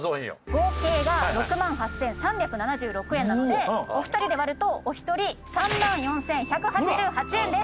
合計が６万８３７６円なのでお二人で割るとお一人３万４１８８円です。